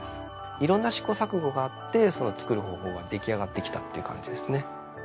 いろんな試行錯誤があってその作る方法が出来上がってきたっていう感じですね。